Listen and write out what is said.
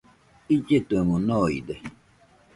Illetuemo noide.